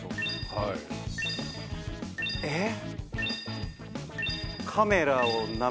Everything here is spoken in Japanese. はいえっ？